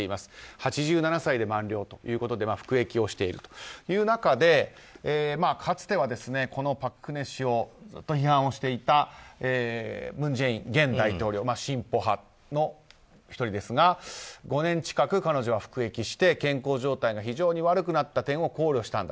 ８７歳で満了ということで服役をしているという中でかつては、この朴槿惠氏をずっと批判していた文在寅現大統領進歩派の１人ですが５年近く、彼女は服役して健康状態が非常に悪くなった点を考慮したんだ。